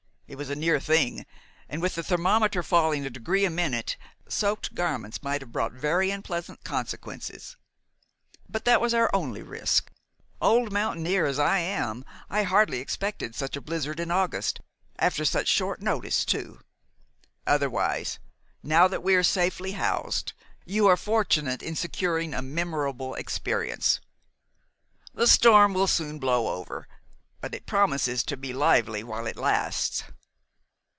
It was a near thing, and with the thermometer falling a degree a minute soaked garments might have brought very unpleasant consequences. But that was our only risk. Old mountaineer as I am, I hardly expected such a blizzard in August, after such short notice too. Otherwise, now that we are safely housed, you are fortunate in securing a memorable experience. The storm will soon blow over; but it promises to be lively while it lasts."